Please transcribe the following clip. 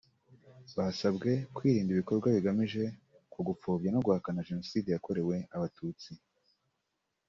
Basabwe kwirinda ibikorwa bigamije ku gupfobya no guhakana Jenoside yakorewe Abatutsi